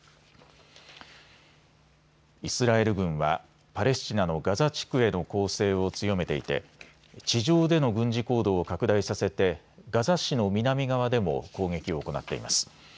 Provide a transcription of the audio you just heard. イスラエル軍はパレスチナのガザ地区への攻勢を強めていて地上での軍事行動を拡大させてガザ市の南側でも攻撃を行っています。